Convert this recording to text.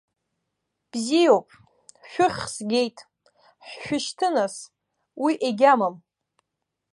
Бзиоуп, шәыххь згеит, ҳшәышьҭы нас, уи егьамам.